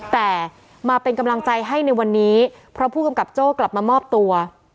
แต่มาเป็นกำลังใจให้ในวันนี้เพราะผู้กำกับโจ้กลับมามอบตัว